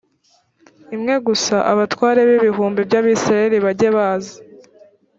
imwe gusa abatware b ibihumbi by abisirayeli bajye baza